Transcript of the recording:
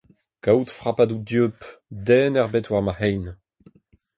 Kaout frapadoù dieub, den ebet war va c'hein.